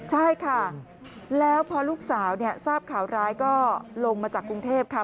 ใช่ค่ะแล้วพอลูกสาวทราบข่าวร้ายก็ลงมาจากกรุงเทพค่ะ